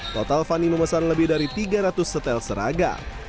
total fani memesan lebih dari tiga ratus setel seragam